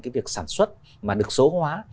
cái việc sản xuất mà được số hóa